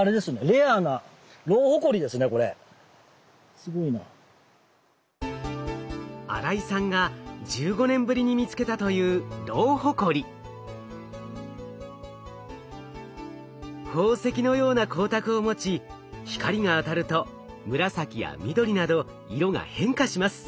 レアな新井さんが１５年ぶりに見つけたという宝石のような光沢を持ち光が当たると紫や緑など色が変化します。